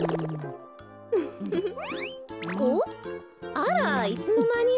あらっいつのまに？